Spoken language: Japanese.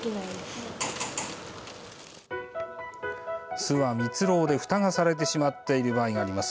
巣は蜜ろうでふたがされてしまっている場合があります。